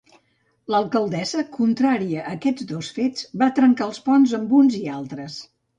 L'alcaldessa, contrària a aquests dos fets, va trencar els ponts amb uns i altres.